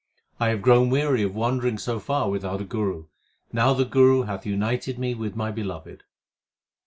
I have grown weary of wandering so far without a guru ; now the Guru hath united me with my Beloved.